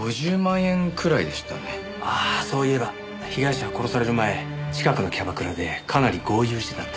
ああそういえば被害者は殺される前近くのキャバクラでかなり豪遊してたって。